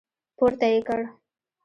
پورته يې کړ.